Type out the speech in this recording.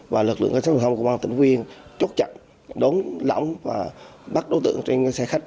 và lực lượng cơ sát hình sự công an tỉnh phú yên chốt chặt đón lõng và bắt đối tượng trên xe khách